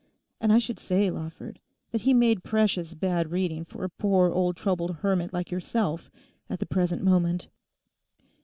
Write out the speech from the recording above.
And I should say, Lawford, that he made precious bad reading for a poor old troubled hermit like yourself at the present moment.